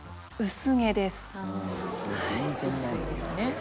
薄いですね。